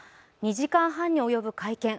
２時間半に及ぶ会見。